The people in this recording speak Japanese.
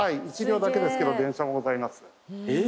１両だけですけど電車もございます。